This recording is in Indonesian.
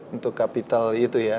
untuk kapital itu ya